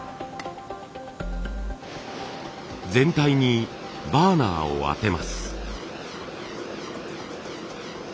全体にバーナーを当てます。